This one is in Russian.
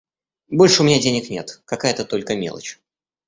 Больше у меня денег нет, какая-то только мелочь.